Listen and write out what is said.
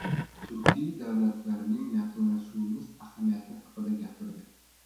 turkiy davlatlarning yaqinlashuvimiz ahamiyati haqida gapirdi.